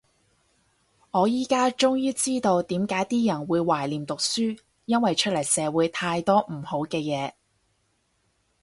我依家終於知道點解啲人會懷念讀書，因為出嚟社會太多唔好嘅嘢